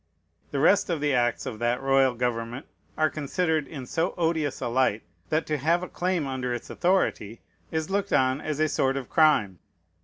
The rest of the acts of that royal government are considered in so odious a light that to have a claim under its authority is looked on as a sort of crime.